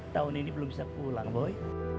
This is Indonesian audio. tahun ini belum bisa pulang boy